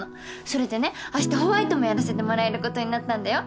それでねあしたホワイトもやらせてもらえることになったんだよ。